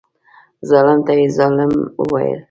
ظالم ته یې ظالم وویل.